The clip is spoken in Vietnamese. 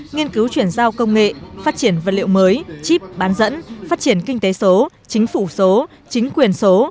nghiên cứu chuyển giao công nghệ phát triển vật liệu mới chip bán dẫn phát triển kinh tế số chính phủ số chính quyền số